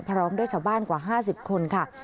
พร้อมด้วยชาวบ้านกว่า๕๐คนค่ะ